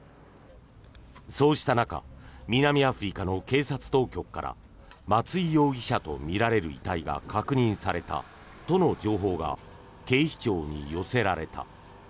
そうした中南アフリカの警察当局から松井容疑者とみられる遺体が確認されたとの情報が警視庁に寄せられた。